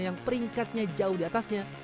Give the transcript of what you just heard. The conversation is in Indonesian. yang peringkatnya jauh di atasnya